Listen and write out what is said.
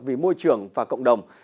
vì môi trường và cộng đồng